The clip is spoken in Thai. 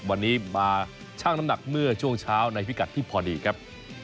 วันนี้มาชั่งน้ำหนักเมื่อช่วงเช้าในพิกัดที่พอดีครับ